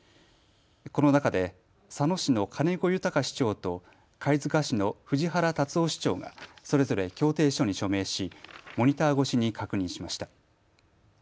この中で佐野市の金子裕市長と貝塚市の藤原龍男市長がそれぞれ協定書に署名しモニター越しに確認しました。